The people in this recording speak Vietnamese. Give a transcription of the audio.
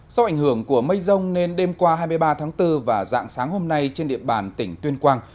do ảnh hưởng của mây rông nên đêm qua hai mươi ba tháng bốn và dạng sáng hôm nay trên địa bàn tỉnh tuyên quang